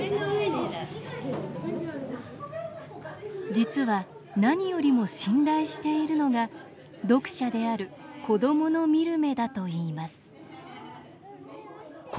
実は何よりも信頼しているのが読者である子どもの見る目だといいます